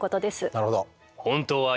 なるほど。